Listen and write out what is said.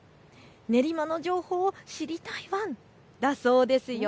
練馬の情報を知りたいワンだそうですよ。